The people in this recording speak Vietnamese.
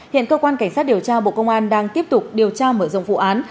hiện cơ quan cảnh sát điều tra bộ công an đang tiếp tục điều tra mở rộng vụ án